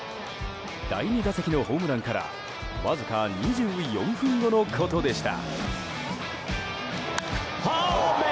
第２打席のホームランからわずか２４分後のことでした。